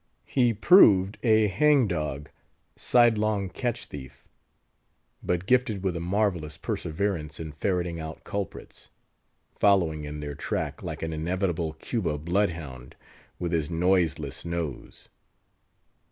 He proved a hangdog, sidelong catch thief, but gifted with a marvellous perseverance in ferreting out culprits; following in their track like an inevitable Cuba blood hound, with his noiseless nose.